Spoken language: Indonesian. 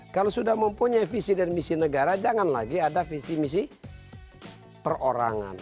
kalau sudah mempunyai visi dan misi negara jangan lagi ada visi misi perorangan